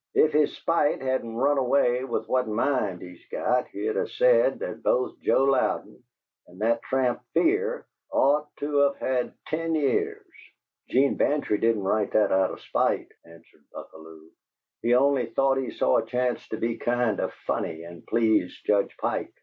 If his spite hadn't run away with what mind he's got, he'd of said that both Joe Louden and that tramp Fear ought to of had ten years!" "'Gene Bantry didn't write that out of spite," answered Buckalew. "He only thought he saw a chance to be kind of funny and please Judge Pike.